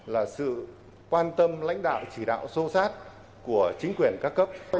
là sự quan tâm lãnh đạo chỉ đạo sâu sát của chính quyền các cấp